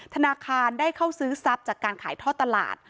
ธนาคารได้เข้าซื้อทรัพย์จากการขายท่อตลาด